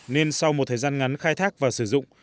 nên sau một thời gian ngắn khai thác và sử dụng